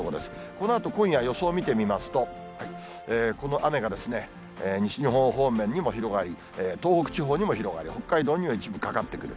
このあと今夜、予想見てみますと、この雨がですね、西日本方面にも広がり、東北地方にも広がり、北海道にも一部かかってくる。